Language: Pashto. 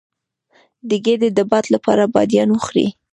د ګیډې د باد لپاره بادیان وخورئ